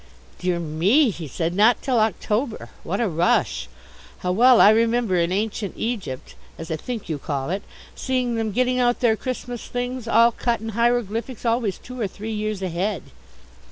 "Dear me," he said, "not till October! What a rush! How well I remember in Ancient Egypt as I think you call it seeing them getting out their Christmas things, all cut in hieroglyphics, always two or three years ahead."